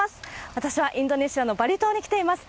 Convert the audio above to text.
私はインドネシアのバリ島に来ています。